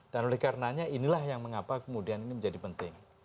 dan oleh karenanya inilah yang mengapa kemudian ini menjadi penting